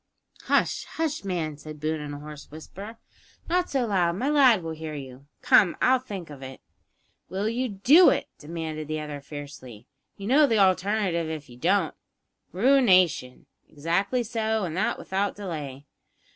"Hush! hush, man!" said Boone in a hoarse whisper; "not so loud; my lad will hear you. Come, I'll think of it." "Will you do it?" demanded the other fiercely. "You know the alternative if you don't?" "Ruination?" "Exactly so; and that without delay."